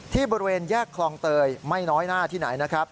บริเวณแยกคลองเตยไม่น้อยหน้าที่ไหนนะครับ